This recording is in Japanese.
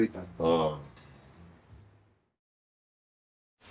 うん。